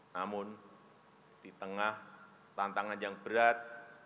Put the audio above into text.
namun di tengah tantangan yang berat